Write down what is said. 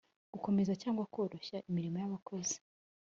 Gukomeza cyangwa koroshya imirimo yabakozi